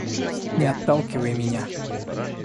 Не отталкивай меня.